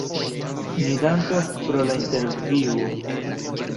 Ni dankas pro la intervjuo.